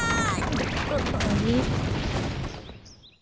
あれ？